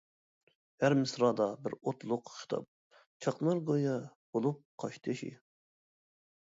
ھەر مىسرادا بىر ئوتلۇق خىتاب چاقنار گويا بولۇپ قاشتېشى!